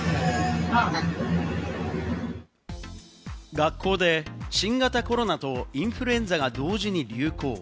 学校で新型コロナとインフルエンザが同時に流行。